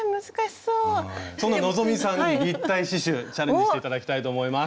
そんな希さんに立体刺しゅうチャレンジして頂きたいと思います。